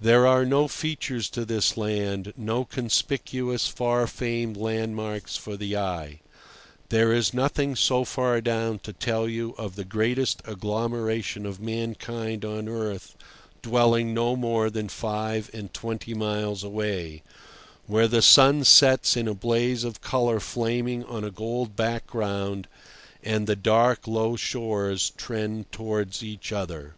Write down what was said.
There are no features to this land, no conspicuous, far famed landmarks for the eye; there is nothing so far down to tell you of the greatest agglomeration of mankind on earth dwelling no more than five and twenty miles away, where the sun sets in a blaze of colour flaming on a gold background, and the dark, low shores trend towards each other.